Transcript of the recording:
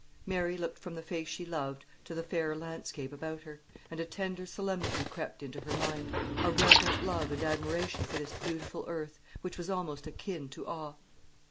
Mary looked from the face she loved to the fair landscape about her, and a tender solemnity crept into her mind a reverent love and admiration for this beautiful earth, which was almost akin to awe.